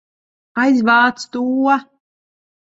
Aizvāc to!